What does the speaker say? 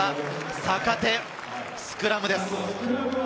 坂手、スクラムです。